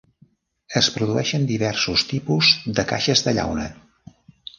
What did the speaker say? Es produeixen diversos tipus de caixes de llauna.